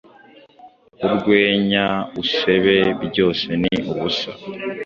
Urwenya, usebe; 'byose ni ubusa!